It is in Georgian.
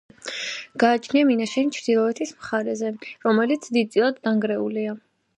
გააჩნია მინაშენი ჩრდილოეთის მხარეზე, რომელიც დიდწილად დანგრეულია.